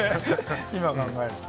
今、考えると。